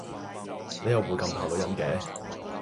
你又會咁怕女人嘅